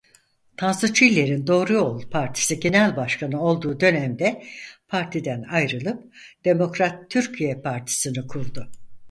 Tansu Çiller'in Doğru Yol Partisi genel başkanı olduğu dönemde partiden ayrılıp Demokrat Türkiye Partisi'ni kurdu.